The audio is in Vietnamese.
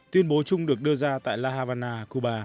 tuyên bố chung được đưa ra tại la havana cuba